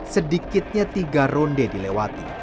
sedikitnya tiga ronde dilewati